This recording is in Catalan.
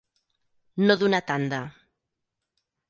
No donar tanda.